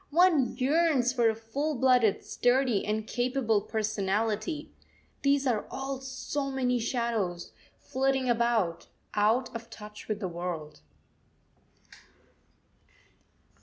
One yearns for a full blooded, sturdy, and capable personality; these are all so many shadows, flitting about, out of touch with the world.